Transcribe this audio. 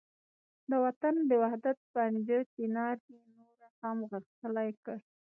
د وطن د وحدت پنجه چنار یې نور هم غښتلې کړ.